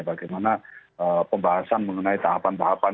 bagaimana pembahasan mengenai tahapan tahapan